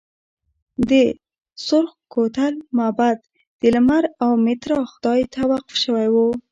د سورخ کوتل معبد د لمر او میترا خدای ته وقف شوی و